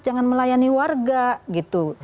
jangan melayani warga gitu